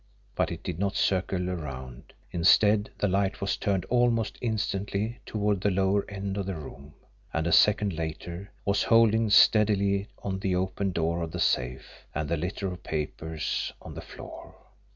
But it did not circle around; instead, the light was turned almost instantly toward the lower end of the room and, a second later, was holding steadily on the open door of the safe, and the litter of papers on the floor.